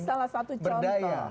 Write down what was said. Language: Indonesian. ini salah satu contoh